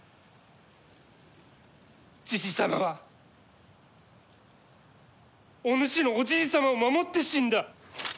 じじ様はお主のおじい様を守って死んだ。